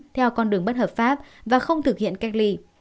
theo con đường bất hợp pháp và không thực hiện cách ly